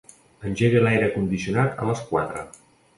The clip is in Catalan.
Engega l'aire condicionat a les quatre.